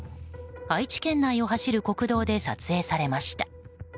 愛知県内を走る国道で撮影されました。